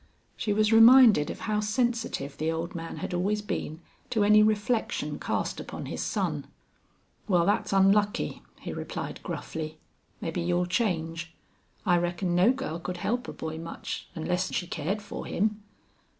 She was reminded of how sensitive the old man had always been to any reflection cast upon his son. "Wal, thet's onlucky;" he replied, gruffly. "Mebbe you'll change. I reckon no girl could help a boy much, onless she cared for him.